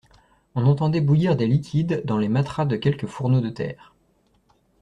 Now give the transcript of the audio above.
On entendait bouillir des liquides dans les matras de quelques fourneaux de terre.